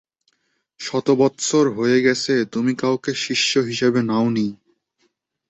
শত বৎসর হয়ে গেছে তুমি কাউকে শিষ্য হিসেবে নাওনি।